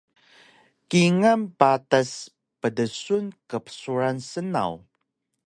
Kingal patas pdsun qbsuran snaw